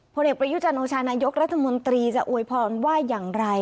ผลเอกประยุจันโอชานายกรัฐมนตรีจะอวยพรว่าอย่างไร